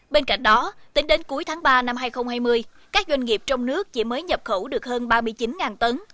bên cạnh đó tính đến cuối tháng ba năm hai nghìn hai mươi các doanh nghiệp trong nước chỉ mới nhập khẩu được hơn ba mươi chín tấn